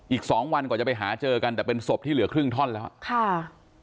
อีกสองวันก่อนจะไปหาเจอกันแต่เป็นศพที่เหลือครึ่งท่อนแล้วค่ะ